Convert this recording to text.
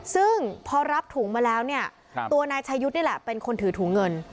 ซึ่งพอรับถุงมาแล้วเนี่ยตัวนายชายุทธ์นี่แหละเป็นคนถือถุงเงิน